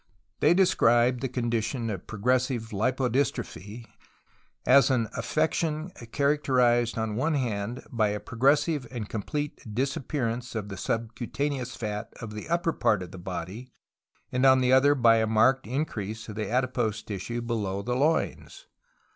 They describe the condition of progressive hpodystrophy as an affection characterized on the one hand by a progressive and complete disappearance of the subcutaneous fat of the upper part of the body ; and, on the other, by a marked increase of the adipose tissue below the loins.